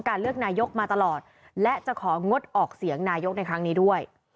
เลือกนายกมาตลอดและจะของงดออกเสียงนายกในครั้งนี้ด้วย